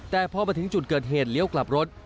แต่พอมาถึงจุดเกิดเหตุเลี้ยวกลับรถ